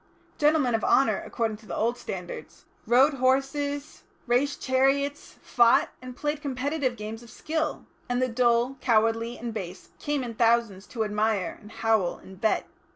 Gentlemen of honour, according to the old standards, rode horses, raced chariots, fought, and played competitive games of skill, and the dull, cowardly and base came in thousands to admire, and howl, and bet.